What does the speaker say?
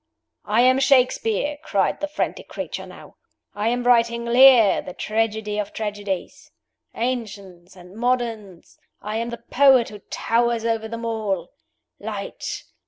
"I am Shakespeare!" cried the frantic creature now. "I am writing 'Lear,' the tragedy of tragedies. Ancients and moderns, I am the poet who towers over them all. Light!